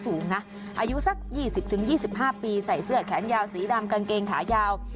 สูงนะอายุสักยี่สิบถึงยี่สิบห้าปีใส่เสื้อแขนยาวสีดำกางเกงขายาว